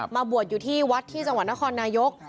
บวชอยู่ที่วัดที่จังหวัดนครนายก